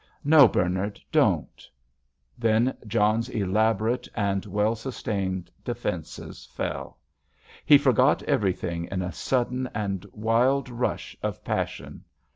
"No, Bernard, don't!" Then John's elaborate and well sustained defences fell. He forgot everything in a sudden wild rush of passion.